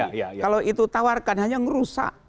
kalau itu tawarkan hanya merusak